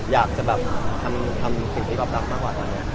อยากจะแบบทำสิ่งที่ก๊อฟรักมากกว่าตอนนี้